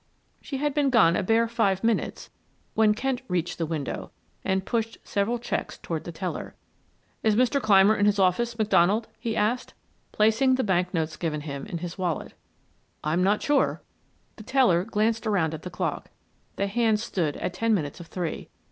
She had been gone a bare five minutes when Kent reached the window and pushed several checks toward the teller. "Is Mr. Clymer in his office, McDonald?" he asked, placing the bank notes given him in his wallet. "I'm not sure." The teller glanced around at the clock; the hands stood at ten minutes of three.